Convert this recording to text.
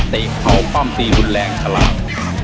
ใครเอาความตีรุนแรงขลาด